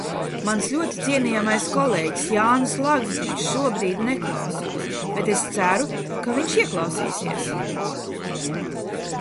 Mans ļoti cienījamais kolēģis Jānis Lagzdiņš šobrīd neklausās, bet es ceru, ka viņš ieklausīsies.